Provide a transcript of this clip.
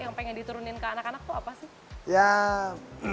yang pengen diturunin ke anak anak itu apa sih